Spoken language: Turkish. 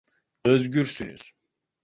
Özgürsünüz.